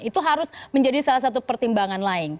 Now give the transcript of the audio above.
itu harus menjadi salah satu pertimbangan lain